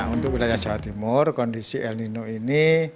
untuk wilayah jawa timur kondisi el nino ini